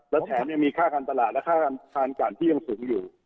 และแถมยังมีค่าการตลาดและค่าการทานกันที่ยังสูงอยู่